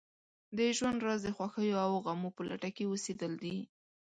د ژوند راز د خوښیو او غمو په لټه کې اوسېدل دي.